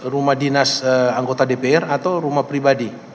rumah dinas anggota dpr atau rumah pribadi